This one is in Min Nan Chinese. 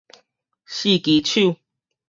四支手